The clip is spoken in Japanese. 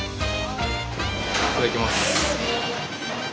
いただきます。